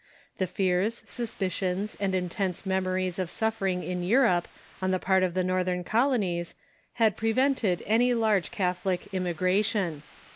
The fears, suspicions, and intense memo ries of suffering in Europe on the part of the Northern colonies had prevented any large Catholic immigration.